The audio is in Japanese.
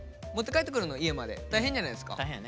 持って帰ってくるの家まで大変じゃないですか。